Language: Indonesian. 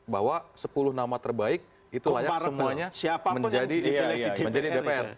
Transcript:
bahwa sepuluh nama terbaik itu tersimpati denganruktur dpr